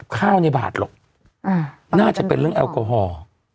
ข้าวในบาทหรอกน่าจะเป็นเรื่องแอลกอฮอล์